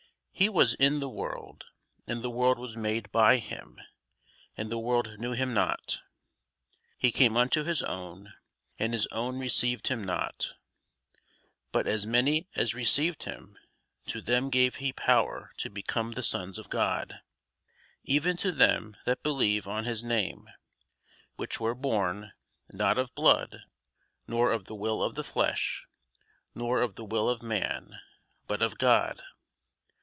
He was in the world, and the world was made by him, and the world knew him not. He came unto his own, and his own received him not. But as many as received him, to them gave he power to become the sons of God, even to them that believe on his name: which were born, not of blood, nor of the will of the flesh, nor of the will of man, but of God.